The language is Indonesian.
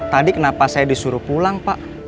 tadi kenapa saya disuruh pulang pak